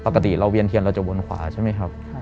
ปกติเราเวียนเทียนเราจะวนขวาใช่ไหมครับ